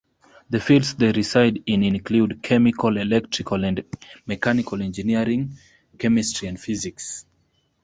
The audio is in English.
The fields they reside in include, chemical, electrical and mechanical engineering, chemistry and physics.